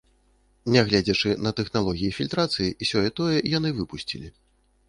Нягледзячы на тэхналогіі фільтрацыі, сёе-тое яны выпусцілі.